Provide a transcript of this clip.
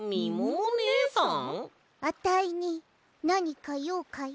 アタイになにかようかい？